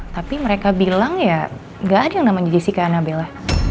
tapi mereka bilang ya gak ada yang namanya jessica annabella